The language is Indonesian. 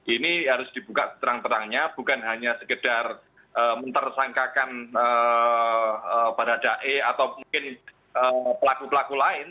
ini harus dibuka terang terangnya bukan hanya sekedar mentersangkakan baradae atau mungkin pelaku pelaku lain